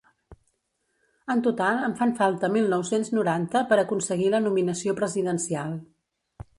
En total en fan falta mil nou-cents noranta per aconseguir la nominació presidencial.